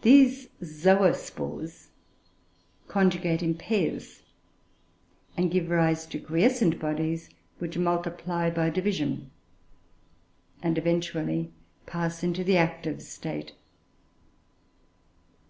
These "zoospores" conjugate in pairs, and give rise to quiescent bodies, which multiply by division, find eventually pass into the active state.